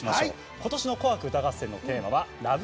今年の「紅白歌合戦」のテーマは「ＬＯＶＥ